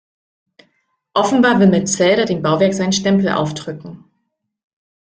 Offenbar will Metzelder dem Bauwerk seinen Stempel aufdrücken.